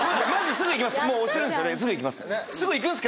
すぐいきます